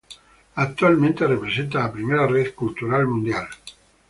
Actualmente representa la primera red cultural mundial.